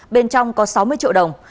bên trong có sáu mươi triệu đồng